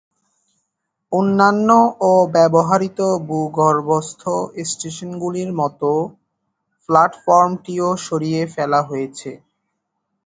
অন্যান্য অব্যবহারিত ভূগর্ভস্থ স্টেশনগুলির মতো, প্ল্যাটফর্মটিও সরিয়ে ফেলা হয়েছে।